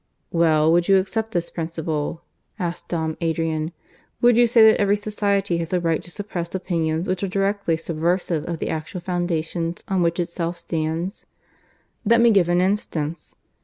"Well, would you accept this principle?" asked Dom Adrian. "Would you say that every society has a right to suppress opinions which are directly subversive of the actual foundations on which itself stands? Let me give an instance.